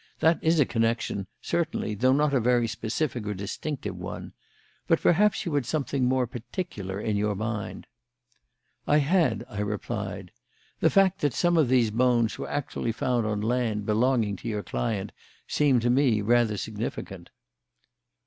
That is a connection, certainly, though not a very specific or distinctive one. But perhaps you had something more particular in your mind." "I had," I replied. "The fact that some of the bones were actually found on land belonging to your client seemed to me rather significant."